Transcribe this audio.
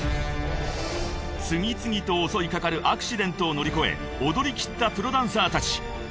［次々と襲い掛かるアクシデントを乗り越え踊り切ったプロダンサーたち］